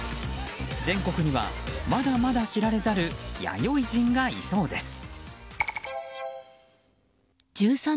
全国には、まだまだ知られざる弥生人がいそうです。